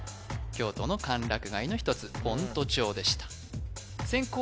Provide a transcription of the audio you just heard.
京都の歓楽街の１つ先斗町でした先攻